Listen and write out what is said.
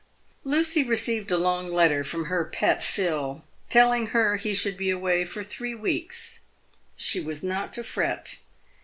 Lucy received a long letter from "her pet Phil," telling her he should be away for three weeks. She was not to fret.